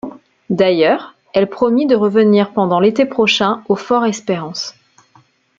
D’ailleurs, elle promit de revenir pendant l’été prochain au Fort-Espérance.